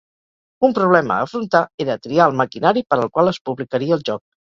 Un problema a afrontar era triar el maquinari per al qual es publicaria el joc.